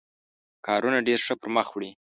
کارونه ډېر ښه پر مخ وړي.